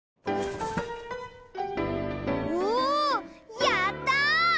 おやった！